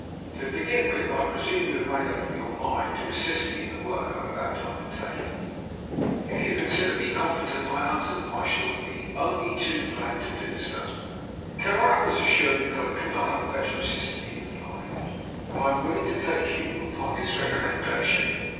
To begin with, I presume you have made up your mind to assist me in the work I am about to under take? "" If you consider me competent," I an swered, " I shall be only too glad to do so." " Kelleran has assured me that I could not have a better assistant," he replied, " and I DR. NIKOLA'S EXPERIMENT. 65 am willing to take you upon his recommen dation.